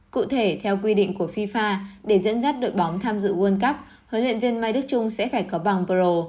cụ thể theo quy định của fifa để dẫn dắt đội bóng tham dự world cup huấn luyện viên mai đức trung sẽ phải có bằng pro